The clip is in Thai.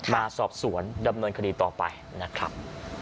มาสอบสวนดำเนินคดีต่อไปนะครับ